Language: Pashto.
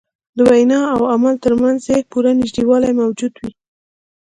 د وینا او عمل تر منځ یې پوره نژدېوالی موجود وي.